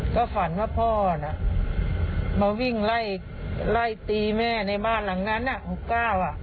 ก็ฝันว่าพ่อมาวิ่งไล่ตีแม่ในบ้านหลังนั้น๖ก้าว